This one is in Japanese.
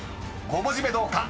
［５文字目どうか？